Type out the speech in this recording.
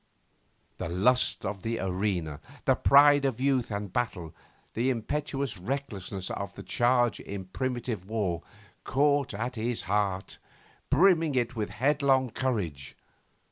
The lust of the arena, the pride of youth and battle, the impetuous recklessness of the charge in primitive war caught at his heart, brimming it with headlong courage.